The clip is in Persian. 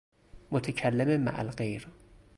متکلم مع الغیر